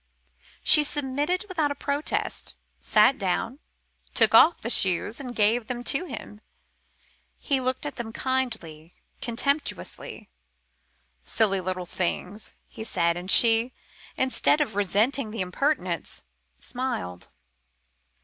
She submitted without a protest, sat down, took off the shoes, and gave them to him. He looked at them kindly, contemptuously. "Silly little things!" he said, and she, instead of resenting the impertinence, smiled.